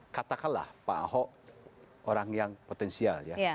katakanlah pak ahok orang yang potensial ya